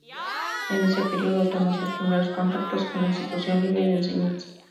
En ese periodo tomó sus primeros contactos con la Institución Libre de Enseñanza.